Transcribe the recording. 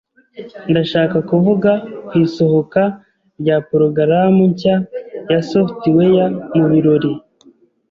Ndashaka kuvuga ku isohoka rya porogaramu nshya ya software mu birori.